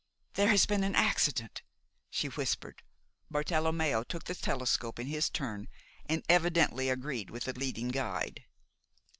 "There has been an accident!" she whispered. Bartelommeo took the telescope in his turn and evidently agreed with the leading guide.